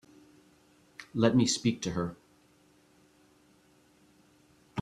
Let me speak to her.